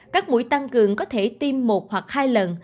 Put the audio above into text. các mũi tăng cường có thể tiêm một hoặc hai lần